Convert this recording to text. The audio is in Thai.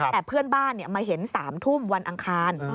แต่เพื่อนบ้านมาเห็น๓ทุ่มวันอังคาร